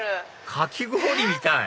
かき氷みたい！